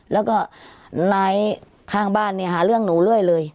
แล้วก็นายข้างบ้านเนี่ยหาเรื่องหนูเรื่อยเลย